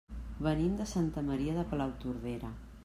Venim de Santa Maria de Palautordera.